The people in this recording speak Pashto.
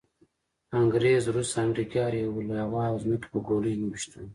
انګریز، روس، امریکې هر یوه له هوا او ځمکې په ګولیو وویشتلو.